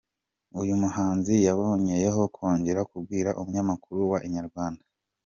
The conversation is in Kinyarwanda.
Uyu muhanzi yaboneyeho kongera kubwira umunyamakuru wa Inyarwanda.